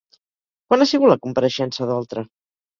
Quan ha sigut la compareixença d'Oltra?